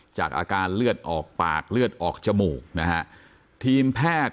จากอาการเลือดออกปากเลือดออกจมูก